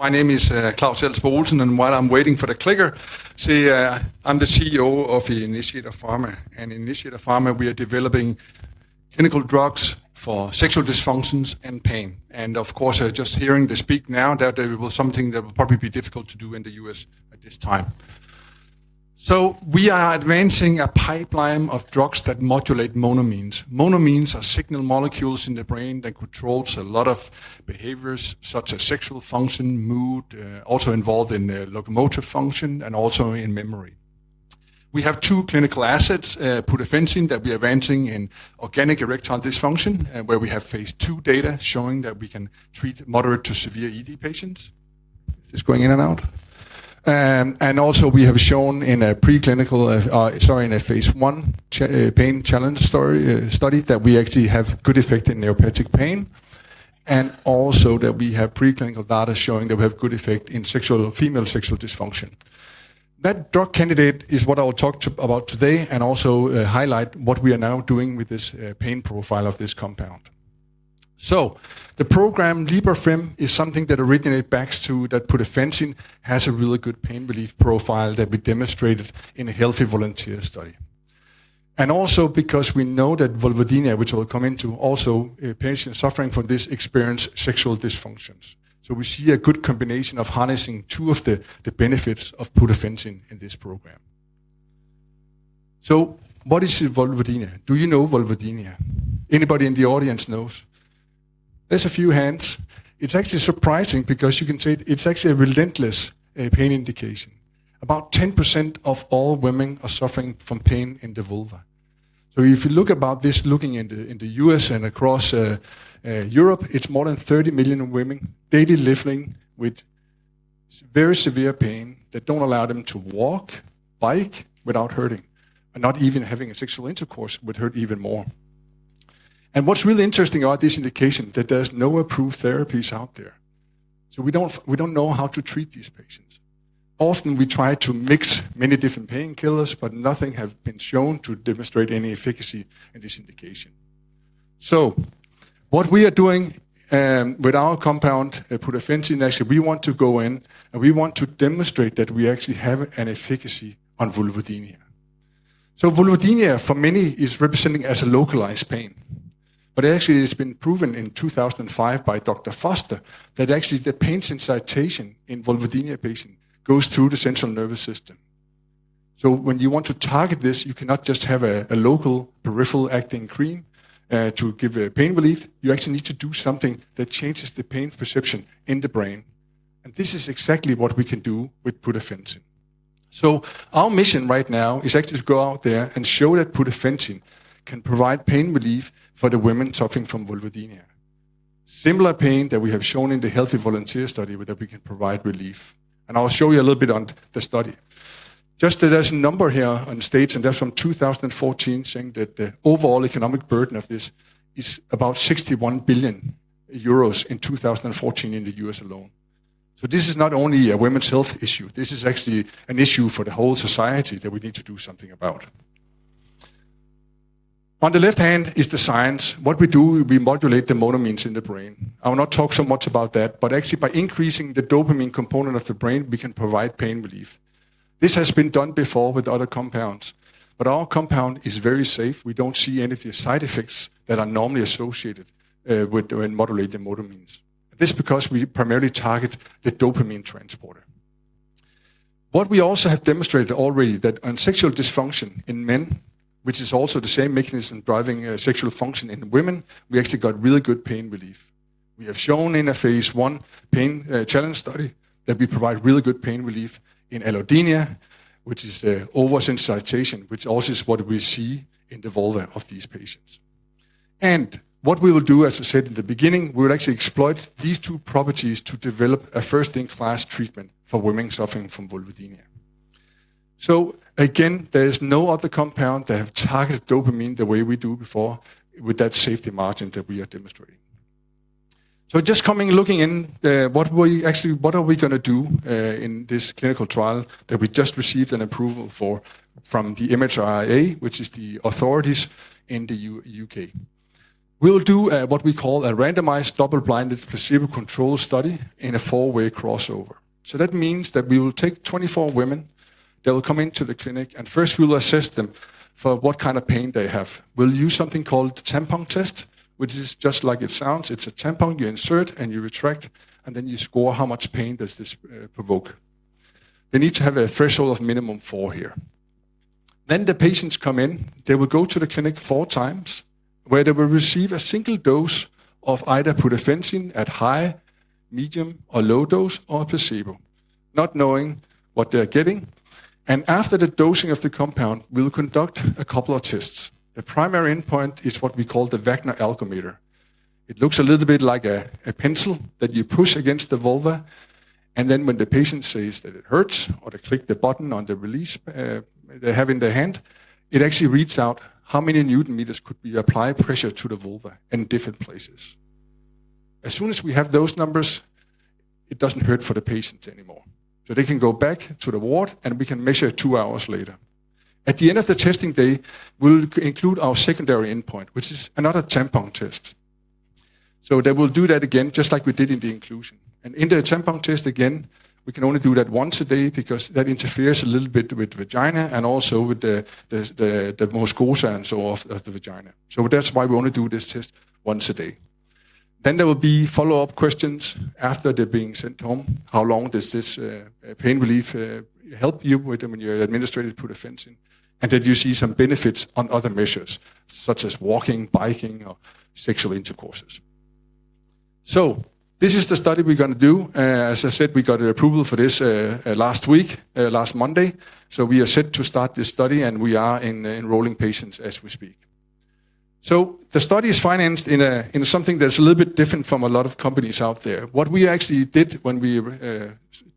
My name is Claus Elsborg Olesen, and while I'm waiting for the clicker, I'm the CEO of Initiator Pharma. At Initiator Pharma, we are developing clinical drugs for sexual dysfunctions and pain. Of course, just hearing the speak now, that will be something that will probably be difficult to do in the U.S. at this time. We are advancing a pipeline of drugs that modulate monoamines. Monoamines are signal molecules in the brain that control a lot of behaviors, such as sexual function, mood, also involved in locomotive function, and also in memory. We have two clinical assets, pudofencin, that we are advancing in organic erectile dysfunction, where we have phase two data showing that we can treat moderate to severe ED patients. Is this going in and out? We have shown in a pre-clinical, sorry, in a phase I pain challenge study that we actually have good effect in neuropathic pain, and also that we have pre-clinical data showing that we have good effect in female sexual dysfunction. That drug candidate is what I'll talk about today and also highlight what we are now doing with this pain profile of this compound. The program librafem is something that originates back to that pudafensine has a really good pain relief profile that we demonstrated in a healthy volunteer study. Also, because we know that vulvodynia, which I'll come into, also patients suffering from this experience sexual dysfunctions. We see a good combination of harnessing two of the benefits of pudafensine in this program. What is vulvodynia? Do you know vulvodynia? Anybody in the audience knows? There's a few hands. It's actually surprising because you can say it's actually a relentless pain indication. About 10% of all women are suffering from pain in the vulva. If you look at this, looking in the U.S. and across Europe, it's more than 30 million women daily living with very severe pain that doesn't allow them to walk, bike without hurting, and not even having a sexual intercourse would hurt even more. What's really interesting about this indication is that there's no approved therapies out there. We don't know how to treat these patients. Often we try to mix many different painkillers, but nothing has been shown to demonstrate any efficacy in this indication. What we are doing with our compound, pudofencin, actually, we want to go in and we want to demonstrate that we actually have an efficacy on vulvodynia. Vulvodynia, for many, is representing as a localized pain. Actually, it's been proven in 2005 by Dr. Foster that the pain sensitization in vulvodynia patients goes through the central nervous system. When you want to target this, you cannot just have a local peripheral acting cream to give pain relief. You actually need to do something that changes the pain perception in the brain. This is exactly what we can do with pudafensine. Our mission right now is actually to go out there and show that pudafensine can provide pain relief for the women suffering from vulvodynia. Similar pain that we have shown in the healthy volunteer study that we can provide relief. I'll show you a little bit on the study. There is a number here on states, and that's from 2014, saying that the overall economic burden of this is about 61 billion euros in 2014 in the U.S. alone. This is not only a women's health issue. This is actually an issue for the whole society that we need to do something about. On the left hand is the science. What we do, we modulate the monoamines in the brain. I will not talk so much about that, but actually by increasing the dopamine component of the brain, we can provide pain relief. This has been done before with other compounds, but our compound is very safe. We don't see any of the side effects that are normally associated with modulating monoamines. This is because we primarily target the dopamine transporter. What we also have demonstrated already is that on sexual dysfunction in men, which is also the same mechanism driving sexual function in women, we actually got really good pain relief. We have shown in a phase I pain challenge study that we provide really good pain relief in allodynia, which is oversensitization, which also is what we see in the vulva of these patients. What we will do, as I said in the beginning, we will actually exploit these two properties to develop a first-in-class treatment for women suffering from vulvodynia. There is no other compound that has targeted dopamine the way we do before with that safety margin that we are demonstrating. Just coming looking in, what are we going to do in this clinical trial that we just received an approval for from the MHRA, which is the authorities in the U.K.? We'll do what we call a randomized double-blinded placebo-controlled study in a four-way crossover. That means that we will take 24 women that will come into the clinic, and first we will assess them for what kind of pain they have. We'll use something called the tampon test, which is just like it sounds. It's a tampon you insert and you retract, and then you score how much pain does this provoke. They need to have a threshold of minimum four here. The patients come in. They will go to the clinic four times where they will receive a single dose of either pudofencin at high, medium, or low dose or placebo, not knowing what they're getting. After the dosing of the compound, we'll conduct a couple of tests. The primary endpoint is what we call the Wagner Algometer. It looks a little bit like a pencil that you push against the vulva, and then when the patient says that it hurts or they click the button on the release they have in their hand, it actually reads out how many newton-meters could be applied pressure to the vulva in different places. As soon as we have those numbers, it does not hurt for the patients anymore. They can go back to the ward and we can measure two hours later. At the end of the testing day, we will include our secondary endpoint, which is another tampon test. They will do that again just like we did in the inclusion. In the tampon test again, we can only do that once a day because that interferes a little bit with the vagina and also with the mucosa and so on of the vagina. That is why we only do this test once a day. There will be follow-up questions after they're being sent home. How long does this pain relief help you when you're administering pudafensine and that you see some benefits on other measures such as walking, biking, or sexual intercourses? This is the study we're going to do. As I said, we got an approval for this last week, last Monday. We are set to start this study and we are enrolling patients as we speak. The study is financed in something that's a little bit different from a lot of companies out there. What we actually did when we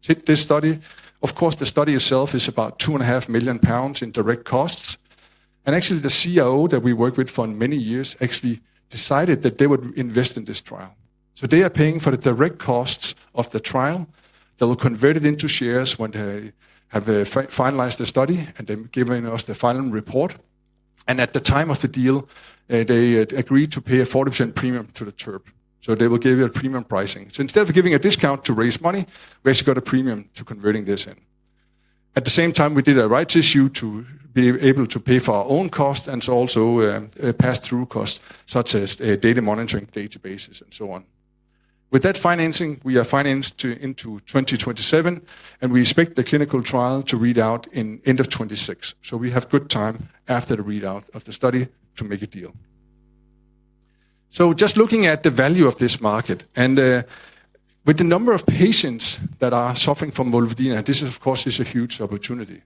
did this study, of course, the study itself is about 2.5 million pounds in direct costs. Actually, the CRO that we worked with for many years actually decided that they would invest in this trial. They are paying for the direct costs of the trial. They will convert it into shares when they have finalized the study and they've given us the final report. At the time of the deal, they agreed to pay a 40% premium to the TERP. They will give you a premium pricing. Instead of giving a discount to raise money, we actually got a premium to converting this in. At the same time, we did a rights issue to be able to pay for our own costs and also pass-through costs such as data monitoring, databases, and so on. With that financing, we are financed into 2027 and we expect the clinical trial to read out in end of 2026. We have good time after the readout of the study to make a deal. Just looking at the value of this market and with the number of patients that are suffering from vulvodynia, this is, of course, a huge opportunity.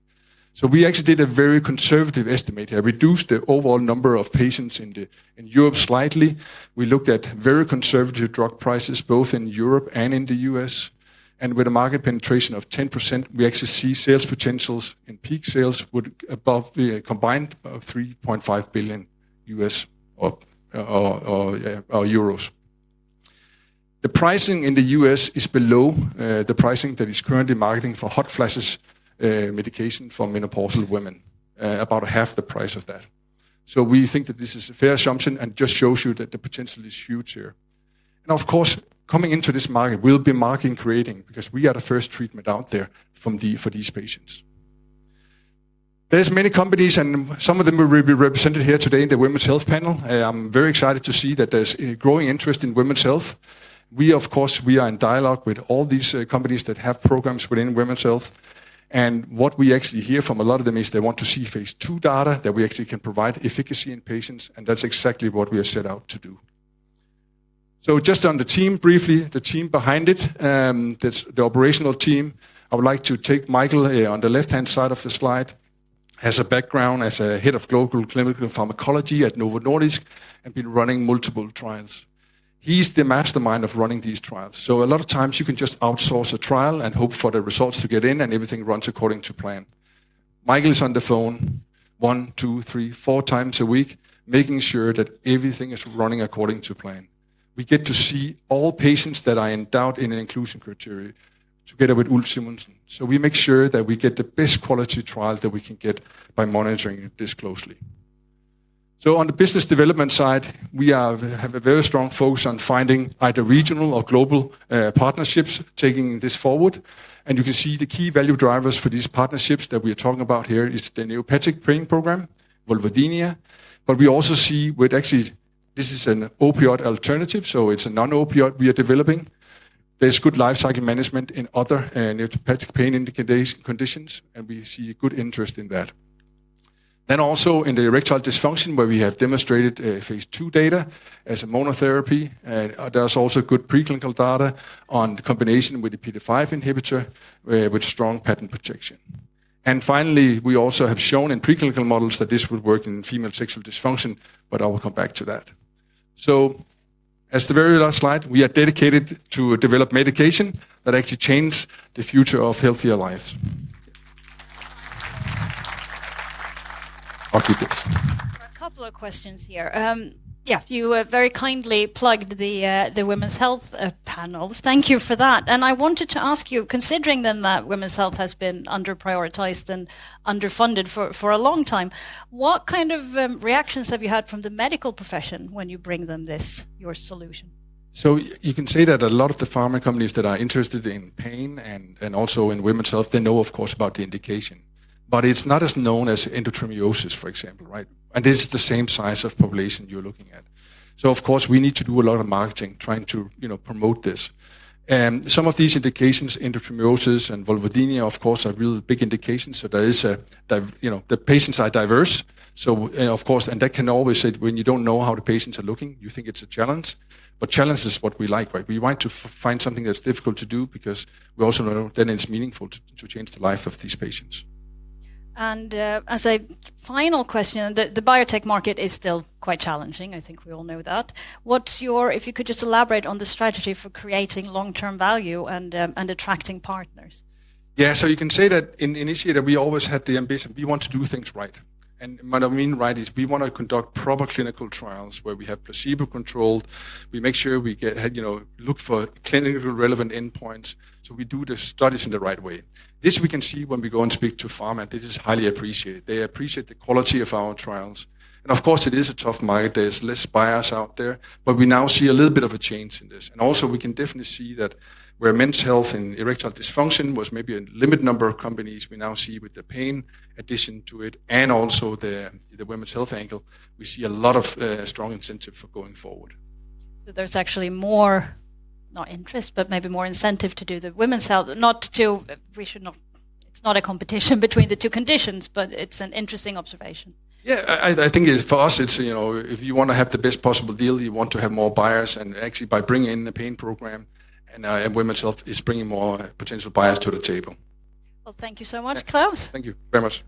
We actually did a very conservative estimate here. We reduced the overall number of patients in Europe slightly. We looked at very conservative drug prices both in Europe and in the U.S. With a market penetration of 10%, we actually see sales potentials in peak sales would be above the combined 3.5 billion. The pricing in the U.S. is below the pricing that is currently marketed for hot flashes medication for menopausal women, about half the price of that. We think that this is a fair assumption and just shows you that the potential is huge here. Of course, coming into this market, we'll be marketing creating because we are the first treatment out there for these patients. There's many companies and some of them will be represented here today in the Women's Health Panel. I'm very excited to see that there's a growing interest in women's health. We, of course, we are in dialogue with all these companies that have programs within women's health. What we actually hear from a lot of them is they want to see phase two data that we actually can provide efficacy in patients. That's exactly what we are set out to do. Just on the team briefly, the team behind it, the operational team, I would like to take Michael on the left-hand side of the slide, has a background as a Head of Global Clinical Pharmacology at Novo Nordisk and been running multiple trials. He's the mastermind of running these trials. A lot of times you can just outsource a trial and hope for the results to get in and everything runs according to plan. Michael is on the phone one, two, three, four times a week, making sure that everything is running according to plan. We get to see all patients that are enrolled in inclusion criteria together with Ulf Simonsen. We make sure that we get the best quality trial that we can get by monitoring this closely. On the business development side, we have a very strong focus on finding either regional or global partnerships taking this forward. You can see the key value drivers for these partnerships that we are talking about here is the neuropathic pain program, vulvodynia. We also see with actually this is an opioid alternative, so it's a non-opioid we are developing. There's good life cycle management in other neuropathic pain indication conditions, and we see good interest in that. Also in the erectile dysfunction where we have demonstrated phase II data as a monotherapy, there's good pre-clinical data on combination with the PDE5 inhibitor with strong patent protection. Finally, we have shown in pre-clinical models that this would work in female sexual dysfunction, but I will come back to that. As the very last slide, we are dedicated to develop medication that actually changes the future of healthier lives. A couple of questions here. Yeah, you very kindly plugged the Women's Health Panels. Thank you for that. I wanted to ask you, considering then that women's health has been underprioritized and underfunded for a long time, what kind of reactions have you had from the medical profession when you bring them this, your solution? You can say that a lot of the pharma companies that are interested in pain and also in women's health, they know, of course, about the indication, but it's not as known as endometriosis, for example, right? This is the same size of population you're looking at. Of course, we need to do a lot of marketing trying to promote this. Some of these indications, endometriosis and vulvodynia, of course, are really big indications. The patients are diverse. Of course, and that can always say when you don't know how the patients are looking, you think it's a challenge. Challenge is what we like, right? We want to find something that's difficult to do because we also know then it's meaningful to change the life of these patients. As a final question, the biotech market is still quite challenging. I think we all know that. What's your, if you could just elaborate on the strategy for creating long-term value and attracting partners? Yeah, you can say that initially that we always had the ambition, we want to do things right. What I mean right is we want to conduct proper clinical trials where we have placebo-controlled. We make sure we look for clinically relevant endpoints. We do the studies in the right way. This we can see when we go and speak to pharma. This is highly appreciated. They appreciate the quality of our trials. Of course, it is a tough market. There's less bias out there, but we now see a little bit of a change in this. Also, we can definitely see that where men's health and erectile dysfunction was maybe a limited number of companies, we now see with the pain addition to it and also the women's health angle, we see a lot of strong incentive for going forward. There is actually more, not interest, but maybe more incentive to do the women's health, not to, we should not, it's not a competition between the two conditions, but it's an interesting observation. Yeah, I think for us, it's, you know, if you want to have the best possible deal, you want to have more buyers, and actually by bringing in the pain program and women's health, it's bringing more potential buyers to the table. Thank you so much, Claus. Thank you very much.